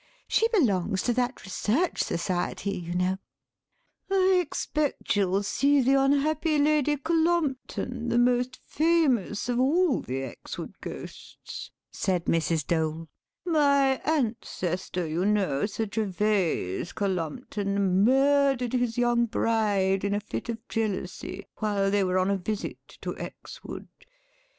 She belongs to that Research Society, you know." "I expect she'll see the unhappy Lady Cullumpton, the most famous of all the Exwood ghosts," said Mrs. Dole; "my ancestor, you know, Sir Gervase Cullumpton, murdered his young bride in a fit of jealousy while they were on a visit to Exwood.